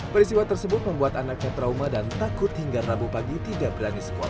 peristiwa tersebut membuat anaknya trauma dan takut hingga rabu pagi tidak berani sekolah